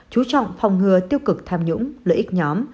chú trọng phòng ngừa tiêu cực tham nhũng lợi ích nhóm